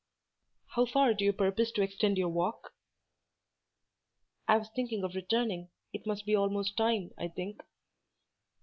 "How far do you purpose to extend your walk?" "I was thinking of returning—it must be almost time, I think."